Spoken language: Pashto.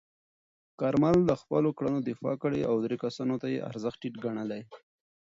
کارمل د خپلو کړنو دفاع کړې او درې کسانو ته یې ارزښت ټیټ ګڼلی.